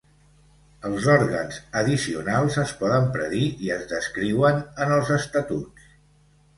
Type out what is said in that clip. Els òrgans addicionals es poden predir i es descriuen en els estatuts.